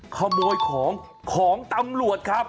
ขโมยของของตำรวจครับ